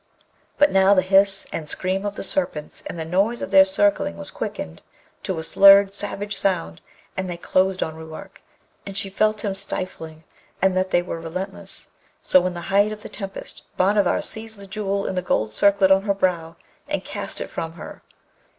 But now the hiss and scream of the Serpents and the noise of their circling was quickened to a slurred savage sound and they closed on Ruark, and she felt him stifling and that they were relentless. So in the height of the tempest Bhanavar seized the Jewel in the gold circlet on her brow and cast it from her.